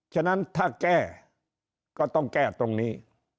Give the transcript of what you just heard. ฉะนั้นถ้าแก้ก็ต้องแก้ตรงนี้